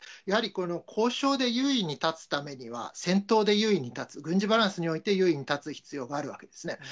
やはり交渉で優位に立つためには、戦闘で優位に立つ、軍事バランスにおいて優位に立つ必要があるわけですね。